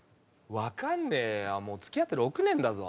分かんねえよ付き合って６年だぞ。